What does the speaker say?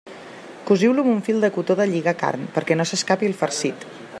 Cosiu-lo amb un fil de cotó de lligar carn, perquè no s'escapi el farcit.